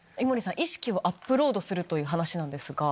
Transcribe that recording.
意識をアップロードするという話なんですが。